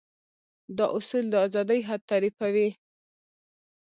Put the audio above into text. دا اصول د ازادي حد تعريفوي.